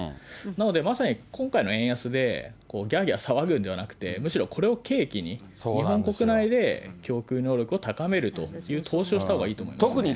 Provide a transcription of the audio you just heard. なのでまさに今回の円安で、ぎゃーぎゃー騒ぐんじゃなくて、むしろ、これを契機に日本国内で供給能力を高めるという投資をしたほうがいいと思いますね。